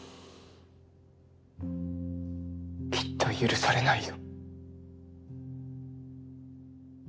きっと許されないよ。